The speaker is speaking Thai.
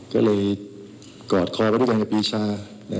ก็เลยกอดคอบกับพิชา